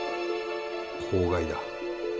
公害だ。